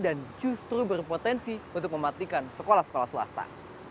dan justru berpotensi untuk mematikan sekolah sekolah swasta